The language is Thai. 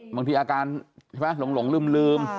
บางทีอาการรวงลืม